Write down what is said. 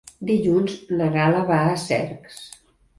Dilluns na Gal·la va a Cercs.